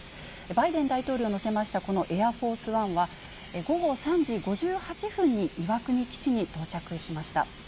バイデン大統領を乗せました、このエアフォースワンは、午後３時５８分に岩国基地に到着しました。